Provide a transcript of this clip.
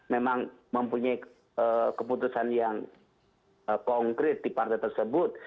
memang mempunyai keputusan yang konkret di partai tersebut